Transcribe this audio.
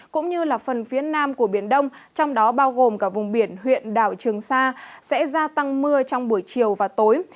cũng như phần phía nam của biển đông trong đó bao gồm cả vùng biển huyện đảo trường sa sẽ gia tăng mưa trong buổi chiều và tối